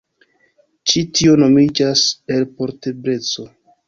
Ĉi tio nomiĝas elportebleco.